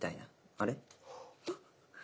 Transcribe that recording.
あれ？